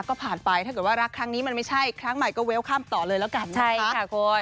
ก็ผ่านไปถ้าเกิดว่ารักครั้งนี้มันไม่ใช่ครั้งใหม่ก็เวลข้ามต่อเลยแล้วกันนะคะ